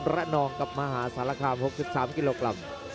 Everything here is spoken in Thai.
และนองกับมหาสรภาคาร์ม๖๓กิโลกรัม